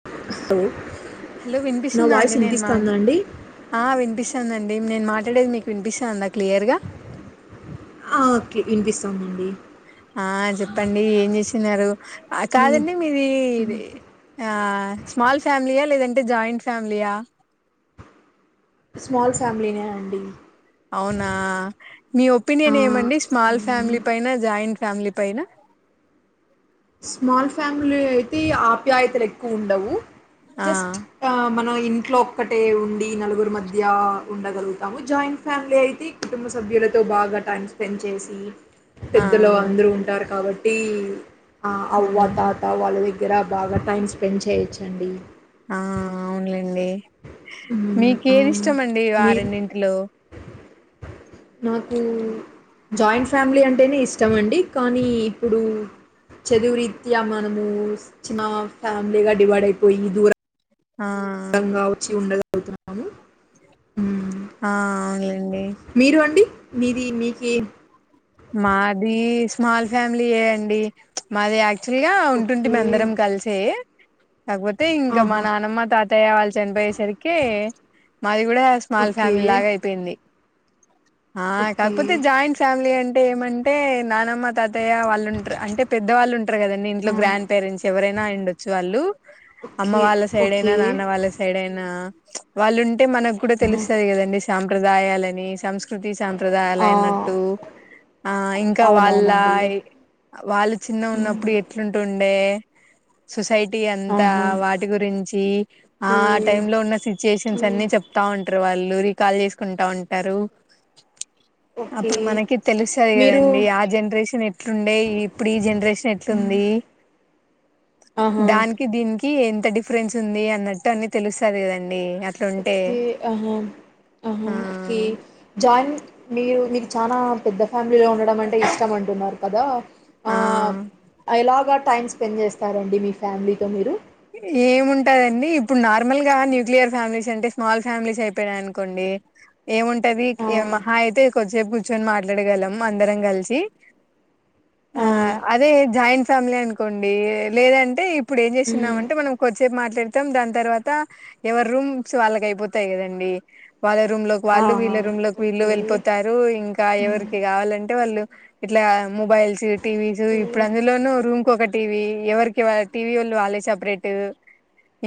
[unintelligible] Hello నా వినిపిస్తుంది voice అండి నేను మాట వినిపిస్తుందా అండి ఆ వినిపిస్తుంది అండి అండి నేను మాట్లాడేది మీకు వినిపిస్తంద అందా క్లియర్ గా ఆ ఓకే వినిపిస్తుందండి ఆ చెప్పండి ఏం చేసన్నారు మ్, కాదండి మీదిది ఆ స్మాల్ ఫ్యామిలీయా లేదంటే జాయింట్ ఫ్యామిలీయా. స్మాల్ ఫ్యామిలీనే అండి అవునా మీ ఆ, ఒపీనియన్ ఏమండి స్మాల్ మ్, ఫ్యామిలీ పైన జాయింట్ ఫమలీ పైన స్మాల్ ఫ్యామిలీ అయితే ఆప్యాయతలు ఎక్కువ ఉండవు ఆ జస్ట్ ఆ మన ఇంట్లో ఒక్కటే ఉండి నలుగురు మధ్య ఉండగలుగుతాము. జాయింట్ ఫ్యామిలీ అయితే కుటుంబ సభ్యులతో బాగా టైం స్పెండ్ చేసి.. ఆ పెద్దలు అందరుూ ఉంటారు కాబ టి ఆ అవ్వ అవునులేండి తాత వాళ్ళు దెగ్ గ్గర బాగా టైం స్పెండ్ చేయొచ్చండి. ఆ అవున్లై డి మ్, ఆ, మీకేదిష్టం అండి ఆ మీరు రెండింటిలో నాకు జాయింట్ ఫ్యామ్లీ అంటేనె ఇష్టం అండి కానీ ఇప్పుడూ చదువురీత్యా మనమూ చిన్నా ఫ్యామ్లీగ డివైడ్ అయ్పోయి దూరం.. ఆ రంగావచ్చి ఉండల్ [inaudible] ఆ అవునులే మీరు అండి మీది మీకేం మాది స్మాల్ ఫ్యామ్లీ ఏ అండి మాది యాక్ క్చువల్ గా ఓకే. ఉంటుంటిమె అందరం కల్సే. కాక్పోతే ఇంక మా ఆహా! నానమ్మ తాతయ్య వాళ్ చన్పొయేసరికి మాది కూడా స్మాల్ ఓకే. ఫ్యామిలీ లాగ అయిపోయింది. ఆ ఓకే. కాక్పొతె జాయింట్ ఫ్యామిలీ అంట్ అంటే నానమ్మ తాతయ్య వాళ్ళు ఉంట్రు అంటె పెద్దవాళ్ళు ఉంట్ టారు కదండి ఇంట్లొ ఆ! గ్రాండ్ పేరెంట్స్ ఎవరై నాయుండొచ్చు వాల్లూ అమ్మ ఓకే. వాళ్ళ సైడైన, ఓకే. నాన్న వాళ్ళ సైడైనా. వాళ్ళిం టే మనక్ కూడ ఆహా! తెలుస్తది కదండి సాంప్రదాయాలని సంస్కృతి ఆ! సాంప్రదాయాలైనట్టు ఆ ఇంక వాళ్ళ అవునవునండి. వాళ్ళు చిన్న హ్మ్. ఉన్నప్పుడు ఎట్లుంటుంన్ డే సొసైట్ టీ అంతా ఆహా! వాటి గురించీ ఆ ఓకే. టైం లో ఉన్న ఓకే. సిచ్చుయేషన్స్ అన్ని చెప్తా ఉంట వాళ్ళు రికాల్ చేసుకుంట ఉంటరు ఒకే తెలుస్తది కదండి ఆ జన్రేషన్ ఎట్లుండే ఇప్పుడు ఈ జన్రేషన్ ఎట్లుంది ఆహా! దాన్కి దీనికి టీ ఎంత డిఫ్రెన్స్ ఉంది అన్నట్టు అన్ని తెలుస్తది కదండి అట్లుంటే ఒకే అహా ఆ అహా ఒకే జాన్ మీరొత్ మీకు చాలా పెద్ద ఫ్యామిలీలో ఉండడం అంటే ఇష్టం అంటున్నారు కదా ఆ ఎలాగా టైమ్స్ స్పెండ్ చేస్తారండి మీ ఫ్యామిలీతో మీరు ఏముంటదండి ఇప్పుడు నార్మల్ గా న్యూక్లియర్ ఫ్యామిలీస్ అంటే స్మాల్ ఫ్యామిలీస్ అయిపోనాయి అనుకోండి ఏముంటది ఆ! ఏ మహా అయితే కొద్దిసేపు కూర్చొని మాట్లాడగలం అందరం కలిసి ఆ అదే జాయింట్ ఫ్యామిలీ అనుకోండి లేదంటే ఇప్పుడు ఏం చేసి హ్మ్. న్నామంటే మనం కొద్దిసేపు మాట్లాడతాం దాని తర్వాత ఎవరు రూమ్స్ వాళ్ళకి అయిపోతాయి కదండి వాళ్ళ రూ లో ఆహా! వాళ్ళుీళ్ళ రూమ్ లోకి వళ్ళు ఓకే. వెళ్ పోతారు ఇంకా హ్మ్. ఎవరికి కావాలంటే వాళ్ళు ఇట్లా మొబైల్స్ టీవస్ ఓకే. ఇప్పుడు అందులోనూ రూమ్ కు ఒక టీవీ ఎవరికి టీవీ వాళ్ళు వాళ్ళ సపరేట్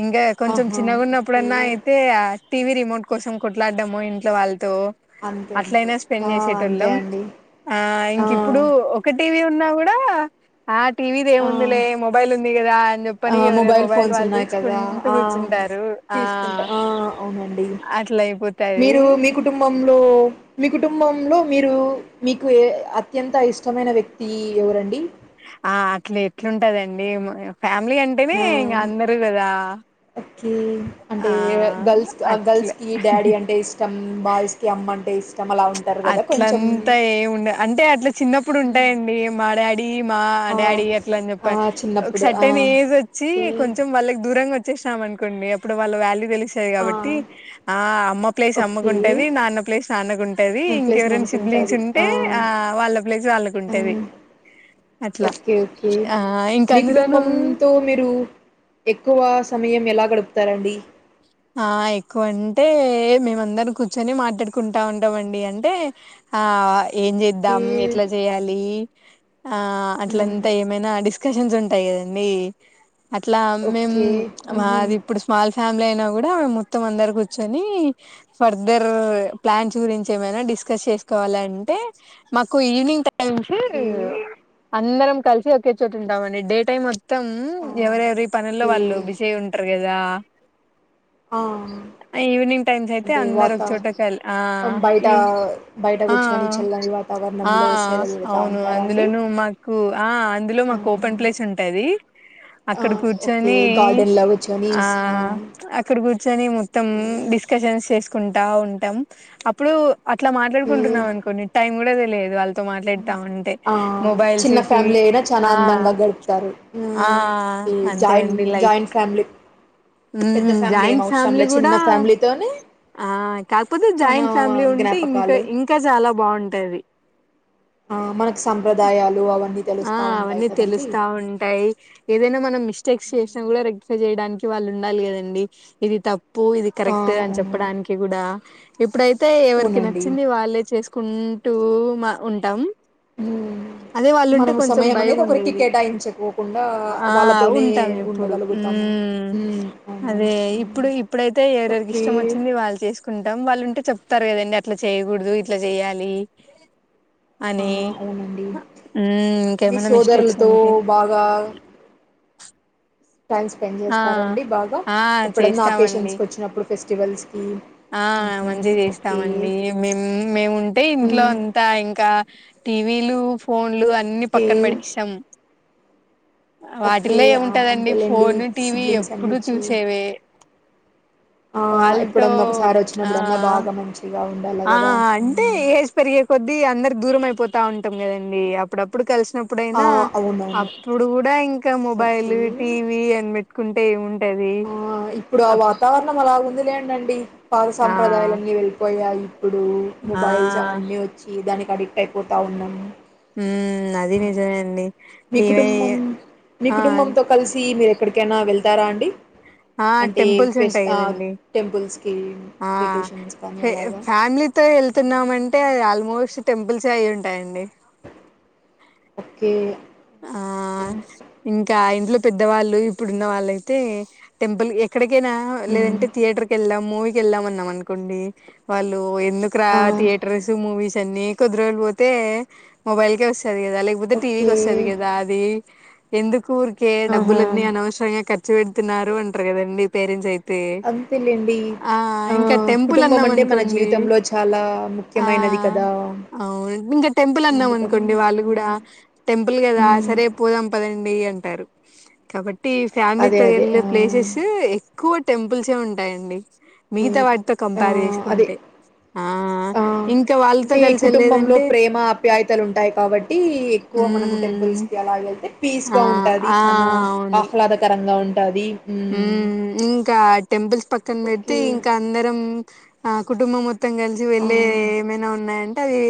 ఇంకా కొంచెం ఆహా! ఓకే. చిన్నగాన్నప్పుడన్నా అయితే టీవీ రిమోట్ కోసం కొట్లాడముో ఇంట్లో వాళ్ళు అంతే. అంతే. అట్లయినా స్పెండ్ ఆ! అంతే చేసేటళ్ళం అండి. ఆ ఇంప్పుడు ఒకటివ న్నా కూడా ఆ టీవీది ఆ! ఏముందిలే మొబైల్ ఉంది కదా అని ఆ చెప్పని ఎవరెవరు మొబైల్ ఫోన్స్ వాళ్ళు ఉన్నాయి కదా చూసుకుంటూ ఆ కూర్చుంటారు ఆ తీసుకుంటా ఆ అవునండి అట్లా అయిపోతది మీరు మీ కుటుంబంలో మీ కుటుంబం లో మీరు మీకు అత్యంత ఇష్టమైన వ్యక్తి ఎవరండి ఆ అట్లా ఎట్లుంటదండి ఫ్యామిలీ అంటేనే ఆ ఇంగ అందరు కదా ఓకే అంటే ఆ గర్ల్స్ అట్ల గర్ల్స్ కి డాడీ అంటే ఇష్టం బాయ్స్ కి అమ్మ అంటే ఇష్టం అలా ఉంటారు కదా కొంచెం అట్లంతా ఏముండ అంటే అట్లా చిన్నప్పుడు హ్మ్. ఉంటాయండి మాడే రీ మా ఆ డాడీ అట్లా అని చెప్ప ఆ ఒక చిన్నప్పుడు ఆ సటన్ ఏజ్ వచ్చి ఓకే కొంచెం వాళ్ళకి దూరంగా వచ్చ చేనామ్ అనుకోండిప్పుడు వాళ్ళ వ్యాల్యూ వె ఆ కాబట్టి ఆ అమ్మ ప్లేస్ అమ్మకు ఓకే ఉంటది నాన్న ప్లేస్ నాన్నకు ఉంటు యి మన ప్లేస్ ఇంకెవరైనా సిబ్లింగ్స్ మనకుంటది ఉంటే ఆ వాళ్ళ ప్లేస్ ఆ వాళ్ళకుంటది ఓకే ఓకే ఇంక మీ అందులోనూ కుటుంబంతో మీరు ఎక్కువ సమయం ఎలా గడుపుతారండి ఆ ఎక్కువ అంటే మేమందరం కూర్చొని మాట్లాడుకుంటా ఉంటామండి అంటే ఆ ఏం ఓకే చేద్దాం ఎట్లా చేయాలి ఆ హ్మ్. అట్లంతా ఏమైనా డిస్ స్కషన్స్ ఉంటాయి కదండీ అట్లా మేం ఓకే. ఆహా! మాది ఇప్పుడు స్మాల్ ఫ్యామిలైనా కూడా మొత్తం అందరు కూర్చొని ఫార్ధార్ ప్లాన్స్ గురించి ఏమైనా డిస్కస్ చేసుకోవాలంటే మాకు ఈవెనింగ్ టై ఓకే. అందరం కలిసి ఒకే చోటుంటామండి డే టైమ్ మొత్తం ఆ! ఎవరెవరి పనుల్లో ఓకే. వాళ్ళు బిజీగుంటరు గదా ఆ! ఈవినింగ్ టైమ్స్ అయితే అంటే అందరు ఒక వాతా చోట కలిసి ఆ ఆహ్, బయట బయట ఆ కూర్చొని చల్లని ఆ వాతావరణంలో సేదలు పెడతా అవును ఉంటారా అండి? అందులోను మాకు ఆ అందులో ఆ! మాకు ఓపెన్ ప్లేస్ ఉంటది ఆ అక్కడ ఓకే కూర్చొని గార్డెన్ల కూర్చొని ఆ అ అక్కడ కూర్చొని మొత్తం డిస్కషన్స్ చేస్ కుంటా ఉంటాం అప్పుడు అట్లా ఓకే. మాట్లాడుకుంటున్నాం అనుకొండి టైం కూడా తె లెదు వల్ తో మాట్లాడుతా ఉంటే ఆ! మొబైల్స్ చిన్న ఆ టీవీ ఫ్యామిలీ అయినా చానా ఆ అందంగా గడుపుతారు. ఆ హ్మ్. ఓకే. అంతే జాయింట్ అండి లైక్ జాయింట్ ఫ్యామిలీ పెద్ద హు ఫ్యామిలీ ఏం జాయింట్ అవసరం ఫ్యామిలీ లేదు. కూడా చిన్న ఫ్యామిలీతోనే ఆ కాకపోతే చానా జాయింట్ ఫ్యామిలీ ఉంటే ఇంకా జ్ఞాపకాలు ఇంకా చాలా బాగుంటాది ఆ మనకు సంప్రదాయాలు అవన్నీ ఆ తెలుస్తా ఉంటాయి అవన్నీ కదండీ. తెలుస్తా ఉంటాయి ఏదైనా మనం మిస్టేక్స్ చేసిన కూడా రెక్టిఫై చేయడానికి వాళ్ళు ఉండాలి కదండి ఇది తప్ ప్పు ఇది ఆ! కరెక్ట్ అని అవునవును. చెప్పడానికి కూడా ఇప్పుడైత్ తే ఎవరికి అవునండి. నచ్చింది వాళ్ళే చేసుకు కుంటూ మా ఉంటాం హు మనం కొంచ సమయం భయం అనేది ఒకరికి ఉండేది కేటాయించుకోకుండా ఆ వాళ్ళతోనే ఉంటాం ఇప్పుడు హు ఉండగలుగుతాము. హ్మ్. అవునవును. అదే ఇప్పుడు హ్మ్. ఇప్పుడైతే ఎవరెవరికి ఓకే. ఇష్టం వచ్చింది వాళ్ళు చేసుకుంటాం వాళ్ళుంటే చెప్తారు కదండి అట్లా చేయకూడదు ఇట్లా చేయాలి ఆ! అని అవునండి. హ్మ్ మీ సోదరులతో బాగా టైం స్పెండ్ ఆ చేస్తారండి బాగా, ఆ ఎప్పుడన్నా చేస్తామండి అకేషన్స్కి వచ్చినప్పుడు ఫెస్టివల్స్ ఆ మంచిగా చేస్తాం అండి, మేం మేముంటే ఇంట్లో హ్మ్. అంత ఇంకా టీ వీలు ఫోన్ లు అన్ని ఓకే. పక్కన పడేస్తాం. ఓకే. వాటిల్లో ఆ! ఏముంటదండి అంతేలెండి ఫోను టీవీ సిబ్లింగ్స్ ఎప్పుడు అన్నొచ్చి చూసేవే, ఆ వాళ్ళతో ఎప్పుడన్నా ఒకసారి ఆ వచ్చినప్పుడన్నా బాగా మంచిగా ఉండాలి ఆ కదా అంటే ఏజ్ పెరిగే కొద్దీ, అందరు దూరం అయిపో పోతా ఉంటం కదండి, అప్పుడప్పుడు కలిసి ఆ ప్పుడయినా అవునవును అప్పుడు కూడా ఇంకా మొబైల్ ఓకే టీవీ అని పెట్ కుంటే ఏం ఉం ఆ ఇప్పుడు ఆ వాతావరణం అలాగుం ది లేండండి పాద ఆ సాంప్రదాయాలన్నీ వెళ్ళిపోయాయి. ఇప్పుడు ఆ మొబైల్స్ అవన్నీ వచ్చి దాని అడిక్ట్ అయిపోతా ఉన్నము. ఉమ్ అది నిజమే అండి. మీ ఇవే కుటుంబం, మీ ఆ కుటుంబంతో కలిసి మీరెక్ ఎక్కడికైనా వెళ్తారా అండి? ఆ అంటే టెంపుల్స్ ఫెస్ ఉంటాయి ఆ కదండీ టెంపుల్స్కి ఆ వెకేషన్స్ కానీ ఫె అలాగా ఫ్యామిలీతో వెళ్తున్నామంటే ఆల్మో మోస్ట్ టెంపుల్స్ అయి ఉంటాయండి. ఓకే కా ఇంట్లో పెద్దవాళ్ళు, ఇప్పుడున్న వాళ్ళయితే టెంపల్ ఎక్కడికి కైన హ్మ్. లేదంటే థియేటర్ కెళ్ళాం. మూవీకెళ్ళామన్నాం అనుకోండి వాళ్ళు ఏ ఎందుకు రా ఆ! థియేటర్స్ మూవీస్ అన్నీ కుదరకపోతే మొబైల్ కే వస్ తది కదా, లేకపోతే ఓకే. టీవీకి వస్తది కదా అది. ఎందుకుర్ కే ఆహా! డబ్బులన్నీ అనవసరంగా కర్ ర్చు పెడుతున్నారు అంట్ పద గదండి తే రెన్సీ అయిత్ తే అంతేలెండి. ఆ ఇంకా టెంపుల్ కుటుంబం అన్నాం అంటే మన అన్కోండి జీవితంలో చాలా ఆ ముఖ్యమైనది కదా! అవున్ ఇంగ టెంపుల్ అన్నాం అందుకని అన్కోండి వాళ్ళు ఆ! గుడా టెంపుల్ గదా హ్మ్. సరే పోదాం పదండి అన్ ఉంటారు కాబట్ టీ అదే. ఫ్యామిలీతో అదే. ఆ! ఎల్లిప్ చూ ఎక్కువ టెంపుల్సే ఉంటాయండి ఏ మిగతా వాటితో ఆ కంపేర్ అదే చేసుకుంటే ఆ ఆ ఇంకా వాళ్ళతో అంటే కలిసి కుటుంబంలో వెళ్ళలేదంటే ప్రేమ అప్యాయతలు ఉంటాయి కాబట్టి ఎక్కువ మనం ఉమ్ టెంపుల్స్ కి అలా వెళ్తే పీస్ ఆ గా ఉంటాది ఆ చానా ఆహ్లాదకరంగా ఉన్ టది ఊ ఇంకా అట్ టెంబుల్ పక్కన్ పెడ్తే ఓకే. ఇంకా అందరం ఆ కుటుంబం మొత్ త్తం కలిసి ఆ! వెళ్ళే ఏమైనా ఉన్నాయన్ అంటే అది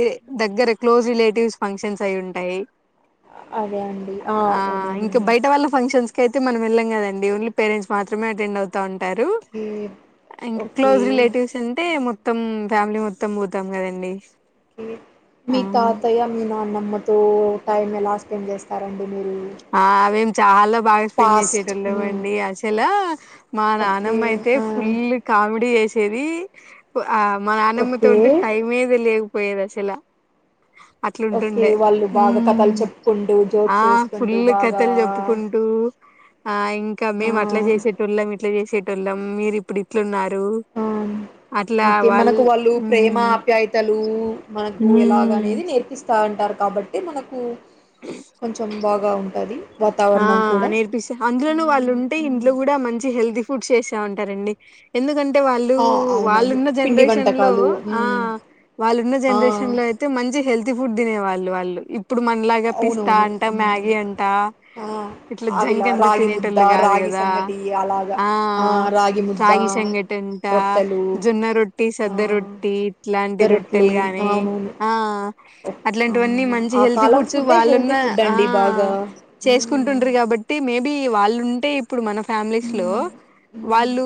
దగ్గర క్లోజ్ రిలేటివ్స్ ఫంక్షన్స్ అయి ఉంటాయి అదే అండి ఆ [unintelligible] కేతే మనం ఎళ్ళం కదండి ఓన్లిప్ పేరెంట్స్ మాత్రమే అటెండ్ అవుతాన్ టారు ఓకే ఇంక్ ఓకే క్లోజ్ రిలేటివ్స్ అంటే మొత్ త్తం ఫ్యామిలీ మొత్తం పోతాం కదండి మీ ఆ తాతయ్య మీ నాన్న అమ్మతో టైమ్ ఎలా స్పెండ్ జేస్తారా కుమురు చాలవ్ బాగా స్పెండ్ చేసేటోళ్ళు లెవ్వండి అసలూ మా ఓకే. నానమ్మ అయితే ఆ! ఫుల్ కామిడీ చేస్ తెవీ ప్ ఆ మా నానమ్మతో ఓకే. ఉంటే టైమే తెలియక్ పోయేదా చెల్యా ఒకే వాళ్ళు బాగా కథల్ చొప్కుంటూ జోక్స్ వేసుకున్ ఇల్లు కథల్ చొప్పుకుంటూ ఆ ఇంకా ఆ! మేము అట్ల చేసేటోళ్లం ఇట్ల చేస్ కే టోళ్ళం మీరు ఇప్పుడు ఇట్లున్నార్ ఆ ఓకే మనకు వాళ్ళు ప్రేమ మ్మ్ ఆప్యాయతలు మనకు ఎలాగ మ్మ్ అనేది నేర్పిస్తాంటారు కాబట్టి మనకు కొంచెం బాగా ఉంటుంది ఆ నేర్పిస్తా అందులోన వాళ్ళు హ్మ్. ఉంటే హ్మ్. ఇంట్లో కూడా మంచి హెల్తీ ఫుడ్ చేసా ఉంటారండి ఎందుకంటే అంటే వాళ్ళు ఆ! అవునవును. వాళ్ళున్న పిండి జనరేషన్ లో వంటకాలు. ఆ హ్మ్. వాళ్ళున్న ఆ! జనరేషన్ లో అయితే మంచి హెల్త్ ఫుడ్ తినే వాళ్ళు వాళ్ళు ఇప్పుడు మనలాగ పిస్తా అవునవును. అంట హ్మ్. మ్యాగీ అంట ఆ! ఇట్లా జంక్ అవిలా ఎంత రాగి ముద్ద, తినేటళ్ళు కాదు రాగి కదా సంగటి అలాగా. ఆ ముద్ద, రాగి సంగటంట రొట్టెలు. జొన్న రొట్టి ఆ! సద్ద రొట్టి ఇట్లాంటి దొరట్లు. రొట్టెలు గానీ అవునవును. ఆ ఒక్ ఆ! అట్లాంటివన్నీ మంచి ఆ హెల్తీ కాలం ఫుడ్స్ ఫుడ్డే వాళ్ళున్న హెల్తీ ఆ ఫుడ్డండి బాగా. హ్మ్. చేసుకుంటుండ్రి కాబట్టి మేబీ వాళ్ళుంటే ఇప్పుడు మన ఫ్యామిలీస్ లో హ్మ్. హ్మ్. వాళ్ళు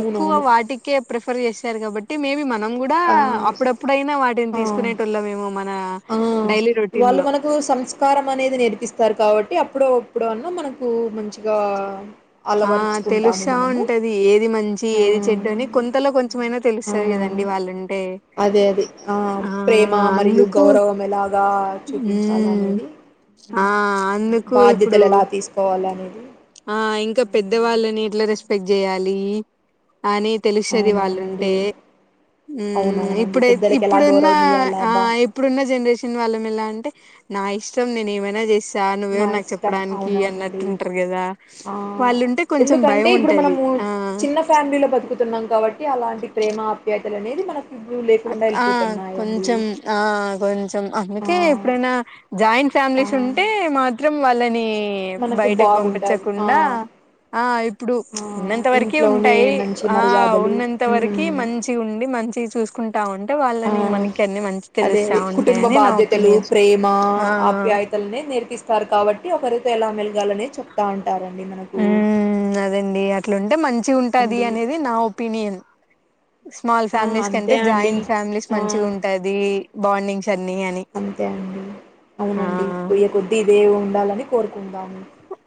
ఎక్కువ వాటికే ప్రఫ ర్ చేశారు కాబట్టి మేబీ మనం కూడా ఆ! అప్పుడప్పుడయినా వాటిని ఆ! తీసుకునేటళ్ళ మేము మన ఆ డైలీ రొటీన్ లో సారు కాబట్టి అప్పుడో అప్పుడ అన్నా మనకు మంచిగా ఆ అలవరుచుకుంటాము తెలుసా మనము ఉంటది ఏది మంచి ఆ ఏది చెడ్డు అని కొంతలో కొంత ఇష్టమైనా తెలుస్తుంది కదండి వాళ్ళండి అదే అది ఆ ప్రేమ మరియు అందుకు గౌరవం ఎలాగా చూపించాలి మ్మ్ అనేది ఆ అందుకు ఇప్పుడు బాధ్యతలు ఎలా తీసుకోవాలి అనేది ఆ ఇంకా పెద్ద అవునండి వాళ్ళని ఎట్లా రెస్పెక్ట్ చేయాలి అని తెలుసది అవునవునండి వాళ్ళుంటే అవునవునండి ఇప్పుడై పెద్దలకి ఎలా ఇప్పుడున్న గౌరవం ఇయ్యాల ఆ అబ్బా ఇప్పుడున్న జనరేషన్ వాళ్ళం ఎలా అంటే నా ఇష్టం నేను ఏమైనా చేసి నా నువ్వేవరు నాకు ఇష్టం చెప్పడానికి అన్నట్టు అవునవునండి ఉంటారు కదా ఆ వాళ్ళుంటే కొంచెం ఎందుకంటే భయం ఇప్పుడు ఉంటది మనము ఆ చిన్న ఫ్యామిలీలో బతుకుతున్నాం కాబట్టి అలాంటి ప్రేమ ఆప్యా అనేది మన ఆ కొంచెం ఆ కొంచెం ఆ అందుకే ఎప్పుడైనా జాయింట్ ఆ ఫ్యామిలీస్ ఉంటే మా చిత్రం వళ్లని మనకు బయటకు బాగుంటది ఆ పంపించకుండా ఆ ఇప్పుడు ఆ ఉన్నంత వరక ఇంట్లోనే ఉంటాయి మంచి ఆ మర్యాదలు ఉన్నంత వరకి మ్మ్ మంచి ఉండి మంచి చూసుకు ఉంటే ఆ వాళ్ళని మనకి అన్ని మంచి అదే తెలుస్తా అదే కుటుంబ ఉంటాయని నా బాధ్యతలు ఒపీనియన్ ఆ రు కాబటి అ ఇతే ఎలామె ఉ అదండి అట్లాంటే మంచి ఉంటది అండి అనేది నా ఒపీనియన్ స్మాల్ ఆ ఫ్యామిలీస్ కంటే అంతే అండి జాయింట్ ఫ్యామిలీస్ ఆ మంచిగా ఉంటది బాండింగ్స్ అన్ని అని అంతే అండి అవునండి ఆ పొయ్యే కొద్ది ఇదే ఉండాలని కోర్కొ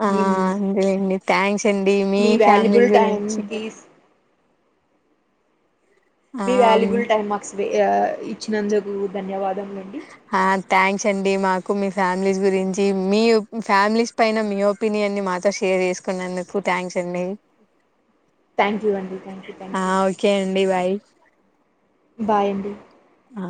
ఆ అంది లెండి థ్యాాక్స్ అండి మీ ఫ్యామిలీ వాల్యుబుల్ టైం గురించ్ తీస్ ఆ మీ వాల్యబుల్ టైమ్ మాక్స్ ఇచ్చినందుకు ధన్యవాదం ఆ థ్యాంక్స్ అండి మా మీ ఫ్యామిలీస్ గురించి మీ ఫ్యామిలీస్ పైన మీ ఒపీనియన్ ని మాతో షేర్ చేసుకున్నందుకు థ్యాంక్స్ అండి థ్యాంక్ యూ అండి థ్యాంక్ యూ థ్యాంక్ ఆ ఓకే అండి బాయ్ బాయండి ఆ